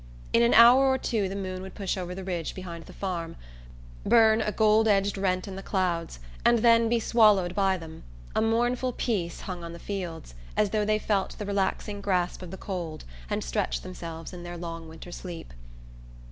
In an hour or two the moon would push over the ridge behind the farm, burn a gold edged rent in the clouds, and then be swallowed by them. A mournful peace hung on the fields, as though they felt the relaxing grasp of the cold and stretched themselves in their long winter sleep.